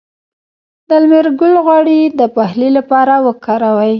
د لمر ګل غوړي د پخلي لپاره وکاروئ